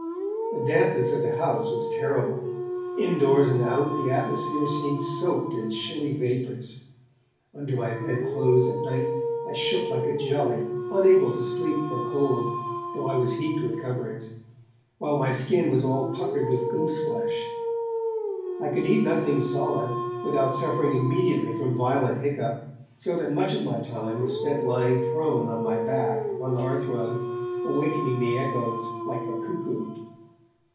The dampness of the house was terrible; indoors and out, the atmosphere seemed soaked in chilly vapours. Under my bed clothes at night I shook like a jelly, unable to sleep for cold, though I was heaped with coverings, while my skin was all puckered with gooseflesh. I could eat nothing solid, without suffering immediately from violent hiccough, so that much of my time was spent lying prone on my back upon the hearthrug, awakening the echoes like a cuckoo.